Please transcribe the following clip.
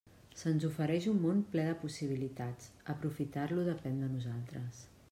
Se'ns ofereix un món ple de possibilitats; aprofitar-lo depèn de nosaltres.